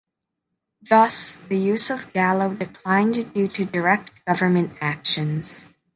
Thus, the use of Gallo declined due to direct government actions.